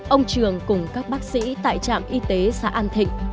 ông trường cùng các bác sĩ tại trạm y tế xã an thịnh